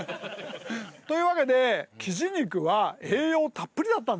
というわけでキジ肉は栄養たっぷりだったんですね。